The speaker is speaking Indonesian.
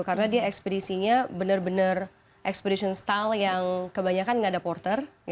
karena dia ekspedisinya benar benar expedition style yang kebanyakan tidak ada porter